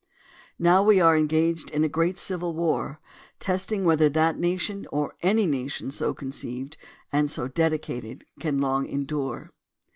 Now we are engaged in a great civil war, testing whether that nation, or any nation so conceived and so dedicated, can long endure.